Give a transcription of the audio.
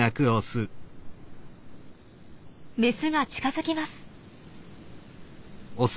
メスが近づきます。